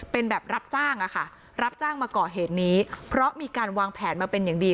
เป็นแบบรับจ้างอะค่ะรับจ้างมาก่อเหตุนี้เพราะมีการวางแผนมาเป็นอย่างดี